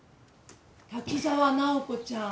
滝沢直子ちゃん。